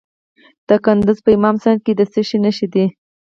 د کندز په امام صاحب کې د څه شي نښې دي؟